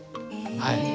はい。